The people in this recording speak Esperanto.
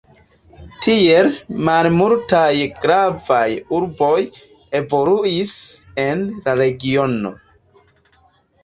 Tiel, malmultaj gravaj urboj evoluis en la regiono.